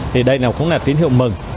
thì đây cũng là tín hiệu mừng